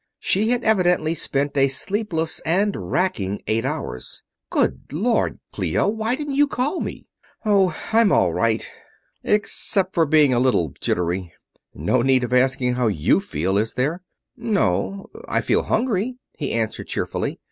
She had evidently spent a sleepless and wracking eight hours. "Good Lord, Clio, why didn't you call me?" "Oh, I'm all right, except for being a little jittery. No need of asking how you feel, is there?" "No I feel hungry," he answered cheerfully.